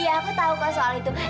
ya aku tahu kan soal itu